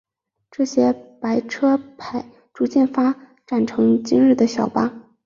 这些白牌车逐渐发展成为今日的小巴。